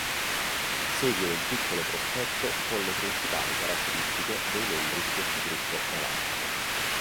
Segue un piccolo prospetto con le principali caratteristiche dei membri di questo gruppo galattico.